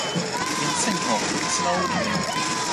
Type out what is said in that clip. jan Seni o, sina o lukin e ni.